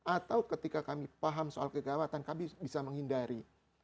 atau ketika kami paham soal kegawatan kami bisa menghindari